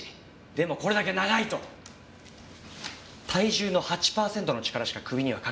でもこれだけ長いと体重の８パーセントの力しか首にはかかりません。